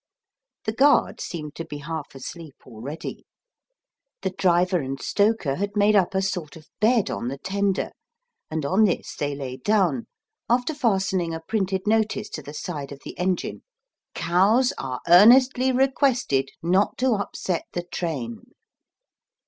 The guard seemed to be half asleep already. The driver and stoker had made up a sort of bed on the tender, and on this they lay down, after fastening a printed notice to the side of the engine : cows ARE EARNESTLY REQUESTED NOT TO UPSET THE TRAIN.